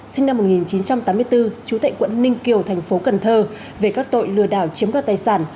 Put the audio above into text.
sinh năm một nghìn chín trăm tám mươi bốn trú tại quận ninh kiều thành phố cần thơ về các tội lừa đảo chiếm đoạt tài sản